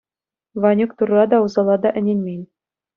Ванюк Турра та, усала та ӗненмен.